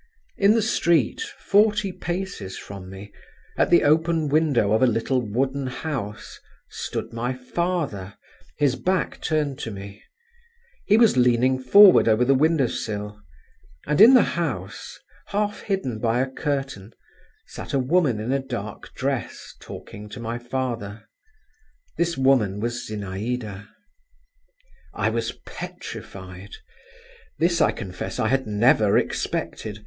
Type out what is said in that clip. In the street, forty paces from me, at the open window of a little wooden house, stood my father, his back turned to me; he was leaning forward over the window sill, and in the house, half hidden by a curtain, sat a woman in a dark dress talking to my father; this woman was Zinaïda. I was petrified. This, I confess, I had never expected.